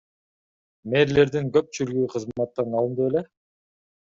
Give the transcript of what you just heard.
Мэрлердин көпчүлүгү кызматтан алынды беле?